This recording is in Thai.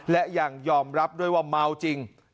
และยังยอมรับด้วยว่าเมาจริง